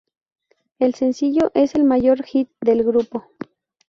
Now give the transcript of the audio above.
El sencillo es el mayor hit del grupo.